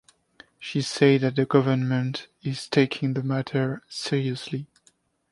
She said that the government is taking the matter seriously.